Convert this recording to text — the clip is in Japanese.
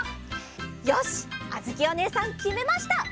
よしっあづきおねえさんきめました！